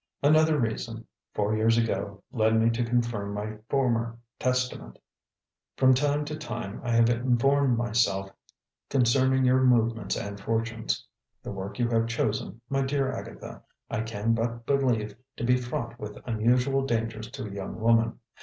"Another reason, four years ago, led me to confirm my former testament. From time to time I have informed myself concerning your movements and fortunes. The work you have chosen, my dear Agatha, I can but believe to be fraught with unusual dangers to a young woman.